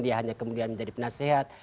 dia hanya kemudian menjadi penasehat